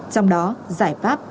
trong đó giải pháp